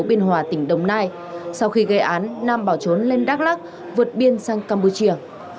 bên hòa tỉnh đồng nai sau khi gây án nam bảo trốn lên đắk lắk vượt biên sang campuchia